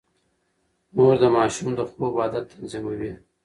مور د ماشوم د خوب عادت تنظيموي.